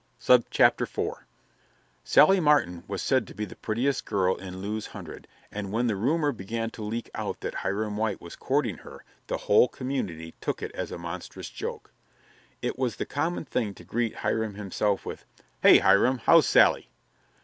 IV Sally Martin was said to be the prettiest girl in Lewes Hundred, and when the rumor began to leak out that Hiram White was courting her the whole community took it as a monstrous joke. It was the common thing to greet Hiram himself with, "Hey, Hiram; how's Sally?"